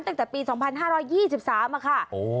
ตั้งแต่ปี๒๕๒๓ค่ะ